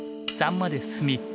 ３まで進み